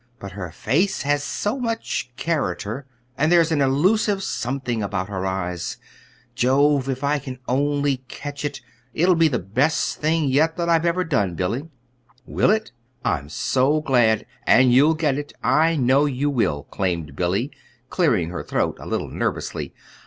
But her face has so much character, and there's an elusive something about her eyes Jove! If I can only catch it, it'll be the best thing yet that I've ever done, Billy." "Will it? I'm so glad and you'll get it, I know you will," claimed Billy, clearing her throat a little nervously.